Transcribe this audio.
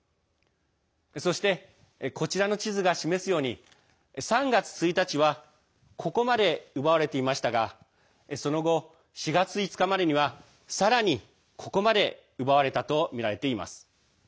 そしてこちらの地図が示すように３月１日はここまで奪われていましたがその後、４月５日までにはさらに、ここまで奪われたとみられています。